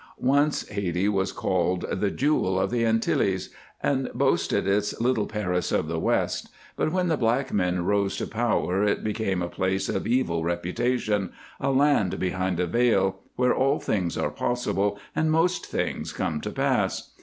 Once Hayti was called the "Jewel of the Antilles" and boasted its "Little Paris of the West," but when the black men rose to power it became a place of evil reputation, a land behind a veil, where all things are possible and most things come to pass.